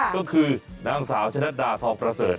ก็คือนางสาวชะนัดดาทองประเสริฐ